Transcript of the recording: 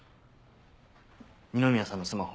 二宮さんのスマホ